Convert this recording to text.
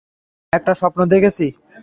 একটা স্বপ্ন দেখেছি।